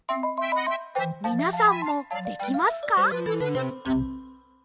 みなさんもできますか？